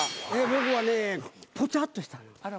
僕はねぽちゃっとした。